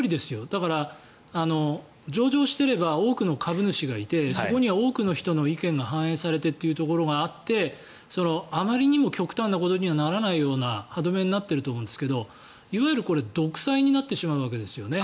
だから、上場していれば多くの株主がいてそこには多くの人の意見が反映されてというところがあってあまりにも極端なことにはならないような歯止めになっていると思うんですがいわゆるこれ、独裁になってしまうわけですよね。